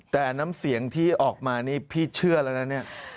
แต่น้ำเสียงที่ออกมานี่พี่เชื่อแล้วนะเนี่ย